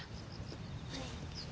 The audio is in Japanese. はい。